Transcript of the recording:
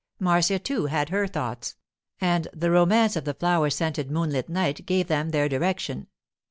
Marcia, too, had her thoughts, and the romance of the flower scented moonlit night gave them their direction.